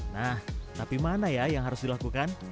nah tapi mana ya yang harus dilakukan